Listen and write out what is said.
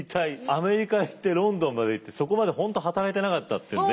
アメリカへ行ってロンドンまで行ってそこまで本当働いてなかったってね。